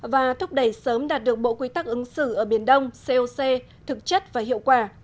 và thúc đẩy sớm đạt được bộ quy tắc ứng xử ở biển đông coc thực chất và hiệu quả